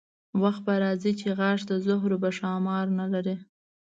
وخت به راځي چې غاښ د زهرو به ښامار نه لري.